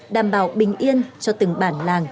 đảm bảo bình yên cho từng bản làng